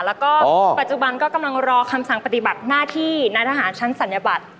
แล้วก็ปัจจุบันก็กำลังรอคำสั่งปฏิบัติหน้าที่นายทหารชั้นศัลยบัตร